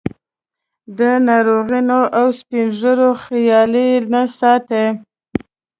د ناروغانو او سپین ږیرو خیال یې نه ساته.